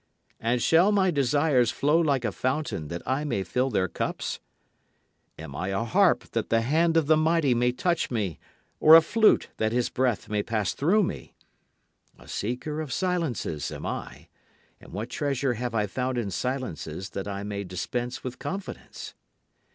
And shall my desires flow like a fountain that I may fill their cups? Am I a harp that the hand of the mighty may touch me, or a flute that his breath may pass through me? A seeker of silences am I, and what treasure have I found in silences that I may dispense with confidence?